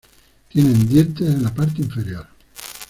Tienen dientes en la parte inferior.